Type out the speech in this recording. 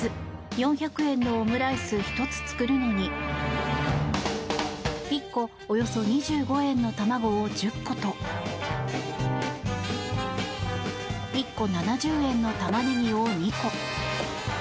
４００円のオムライス１つ作るのに１個およそ２５円の卵を１０個と１個７０円のタマネギを２個。